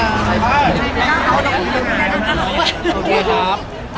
สวัสดีครับ